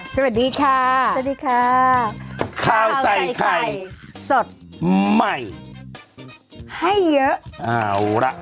สวัสดีค่ะสวัสดีค่ะข้าวใส่ไข่สดใหม่ให้เยอะเอาล่ะ